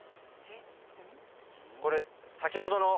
これ先ほどの。